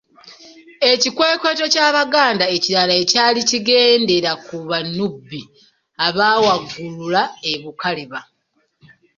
Ekikwekweto ky'Abaganda ekirala ekyali kigendera ku Banubbi abaawagulula e Bukaleeba.